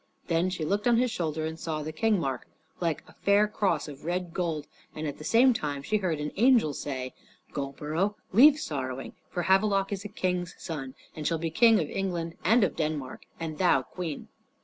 Then she looked on his shoulder, and saw the king mark, like a fair cross of red gold, and at the same time she heard an angel say "Goldborough, leave sorrowing, for Havelok is a king's son, and shall be king of England and of Denmark, and thou queen."